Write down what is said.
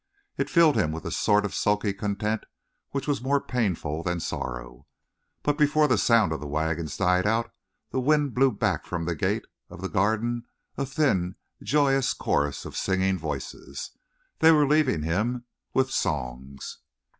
It filled him with a sort of sulky content which was more painful than sorrow. But before the sound of the wagons died out the wind blew back from the gate of the Garden a thin, joyous chorus of singing voices. They were leaving him with songs!